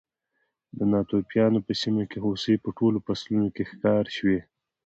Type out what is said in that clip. د ناتوفیانو په سیمه کې هوسۍ په ټولو فصلونو کې ښکار شوې.